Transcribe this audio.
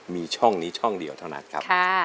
มีช่องช่องนี้แนบนี้ทีนเดียวครับ